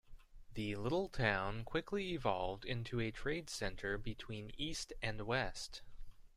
The little town quickly evolved into a trade center between east and west.